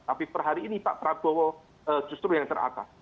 tapi per hari ini pak prabowo justru yang teratas